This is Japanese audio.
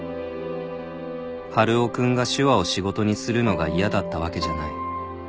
「春尾君が手話を仕事にするのが嫌だったわけじゃない」